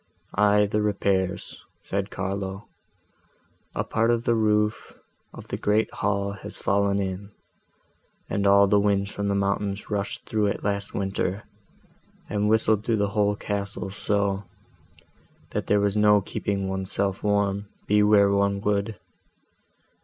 "Aye, the repairs," said Carlo: "a part of the roof of the great hall has fallen in, and all the winds from the mountains rushed through it last winter, and whistled through the whole castle so, that there was no keeping one's self warm, be where one would.